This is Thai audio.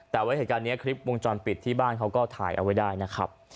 แต่ว่าเหตุการณ์นี้คลิปวงจรปิดที่บ้านเขาก็ถ่ายเอาไว้ได้นะครับ